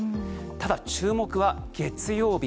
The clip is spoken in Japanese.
ただ、注目は月曜日。